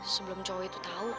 sebelum cowok itu tau